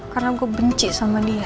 karena gue benci sama dia